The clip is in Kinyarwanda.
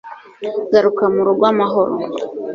garuka murugo amahoro